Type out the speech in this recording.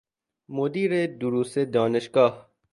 مدیر دروس دانشگاه